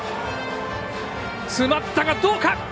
詰まったがどうか。